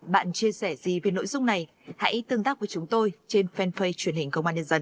bạn chia sẻ gì về nội dung này hãy tương tác với chúng tôi trên fanpage truyền hình công an nhân dân